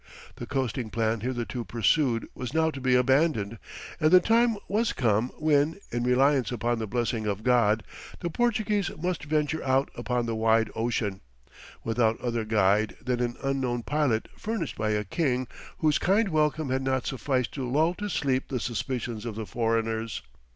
The coasting plan hitherto pursued was now to be abandoned, and the time was come when, in reliance upon the blessing of God, the Portuguese must venture out upon the wide ocean, without other guide than an unknown pilot furnished by a king whose kind welcome had not sufficed to lull to sleep the suspicions of the foreigners.